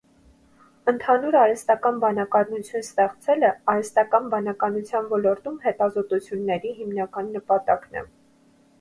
Ընդհանուր արհեստական բանականություն ստեղծելը արհեստական բանականության ոլորտում հետազոտությունների հիմնական նպատակն է։